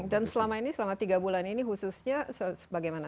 dan selama ini selama tiga bulan ini khususnya bagaimana